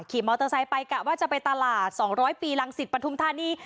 มอเตอร์ไซค์ไปกะว่าจะไปตลาด๒๐๐ปีรังสิตปฐุมธานี